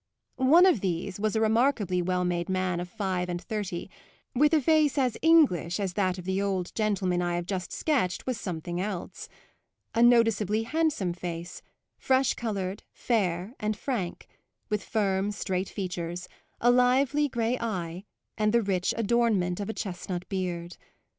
One of these was a remarkably well made man of five and thirty, with a face as English as that of the old gentleman I have just sketched was something else; a noticeably handsome face, fresh coloured, fair and frank, with firm, straight features, a lively grey eye and the rich adornment of a chestnut beard.